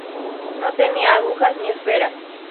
No tenía agujas ni esfera.